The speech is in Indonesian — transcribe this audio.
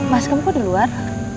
mas kamu kok di luar